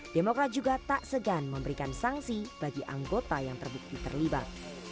demokrat juga tak segan memberikan sanksi bagi anggota yang terbukti terlibat